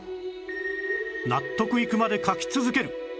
納得いくまで描き続ける